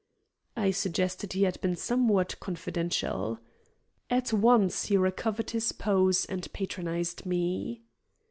I suggested he had been somewhat confidential. At once he recovered his pose and patronized me.